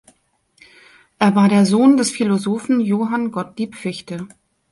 Er war der Sohn des Philosophen Johann Gottlieb Fichte.